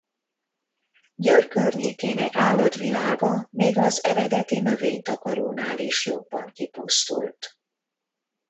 Győr környékének állatvilága még az eredeti növénytakarónál is jobban kipusztult.